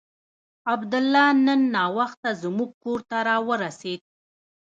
عبدالله نن ناوخته زموږ کور ته راورسېد.